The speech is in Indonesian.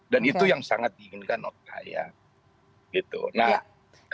dan itu yang sangat diinginkan otoritas